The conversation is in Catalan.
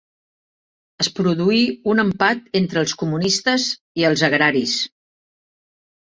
Es produí un empat entre els comunistes i els agraris.